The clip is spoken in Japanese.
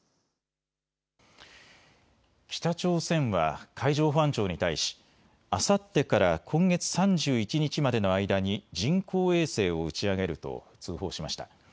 北朝鮮は海上保安庁に対しあさってから今月３１日までの間に人工衛星を打ち上げると通報しました。